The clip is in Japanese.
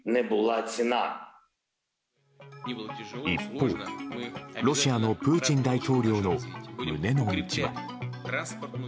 一方ロシアのプーチン大統領の胸の内は。